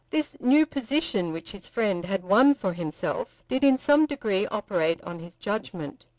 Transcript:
This new position which his friend had won for himself did in some degree operate on his judgment.